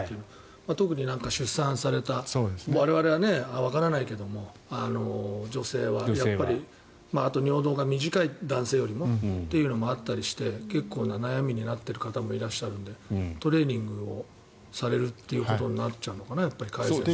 特に出産された我々はわからないけども女性は、あと尿道が男性よりも短いというのがあったりして結構な悩みになっていることもあるのでトレーニングをされるということになっちゃうのかな改善するには。